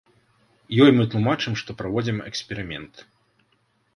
Ёй мы тлумачым, што праводзім эксперымент.